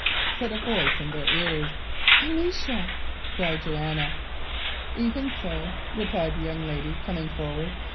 said a voice in their ears. "Alicia!" cried Joanna. "Even so," replied the young lady, coming forward.